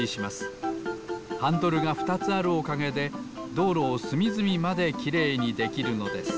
ハンドルがふたつあるおかげでどうろをすみずみまできれいにできるのです。